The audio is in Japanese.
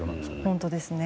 本当ですね。